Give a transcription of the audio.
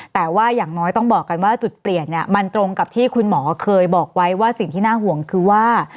แต่ว่าอย่างน้อยต้องบอกกันว่าจุดเปลี่ยนเนี่ยมันตรงกับที่คุณหมอเคยบอกไว้ว่าสิ่งที่น่าห่วงคือว่า